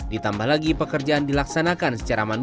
ditambah lagi pekerjaan dilaksanakan secara manual